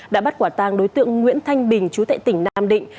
đã bắt quả tàng đối tượng nguyễn thanh bình chú tại tỉnh nam định